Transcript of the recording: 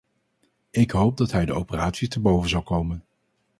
Ik hoop dat hij de operaties te boven zal komen.